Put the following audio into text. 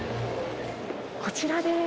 こちらです